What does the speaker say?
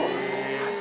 はい。